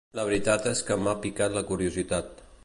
La veritat és que m'ha picat la curiositat.